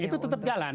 itu tetap jalan